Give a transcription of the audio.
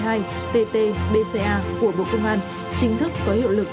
chính thức có hiệu lực